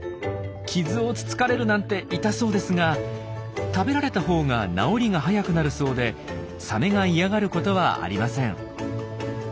傷をつつかれるなんて痛そうですが食べられたほうが治りが早くなるそうでサメが嫌がることはありません。